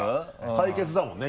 対決だもんね